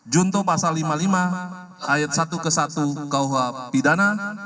junto pasal lima puluh lima ayat satu ke satu kuh pidana